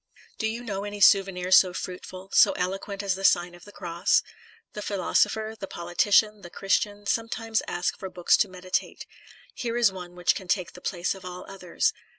Do you know any souvenir so fruitful, so eloquent as the Sign of the Cross? The philosopher, the politician, the Christian, sometimes ask for books to meditate ; here is one which can take the place of all others.